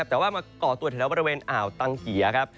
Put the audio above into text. แต่ว่าก่อตัวแถวบริเวณอ่าวตังเขีย